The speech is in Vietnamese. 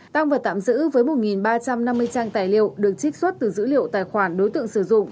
tăng vật tạm giữ với một ba trăm năm mươi trang tài liệu được trích xuất từ dữ liệu tài khoản đối tượng sử dụng